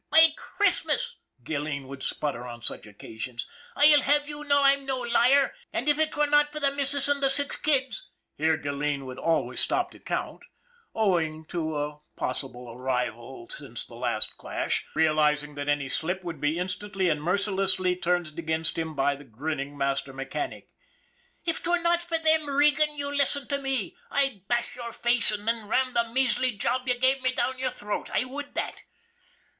" By Christmas," Gilleen would sputter on such oc casions, " I'll have you know I'm no liar, an' if 'twere not for the missus an' the six kids " here Gilleen would always stop to count, owing to a possible arrival 186 ON THE IRON AT BIG CLOUD since the last clash, realizing that any slip would be instantly and mercilessly turned against him by the grinning master mechanic " if 'twere not for them, Regan, you listen to me, I'd bash your face an' then ram the measly job you give me down your throat, I would that